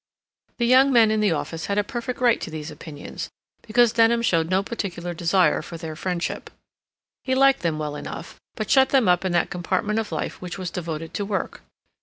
The young men in the office had a perfect right to these opinions, because Denham showed no particular desire for their friendship. He liked them well enough, but shut them up in that compartment of life which was devoted to work.